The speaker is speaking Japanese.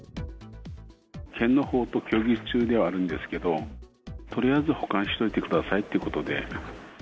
県のほうと協議中ではあるんですけど、とりあえず保管しておいてくださいってことで。